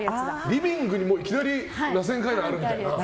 リビングにらせん階段があるみたいな。